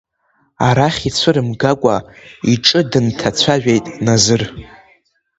Арахь ицәырымгакәа иҿы дынҭацәажәеит назыр.